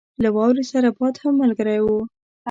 له واورې سره باد هم ملګری وو.